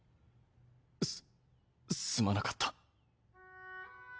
すすまなかった。